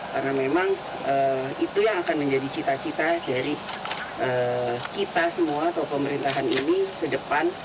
karena memang itu yang akan menjadi cita cita dari kita semua atau pemerintahan ini ke depan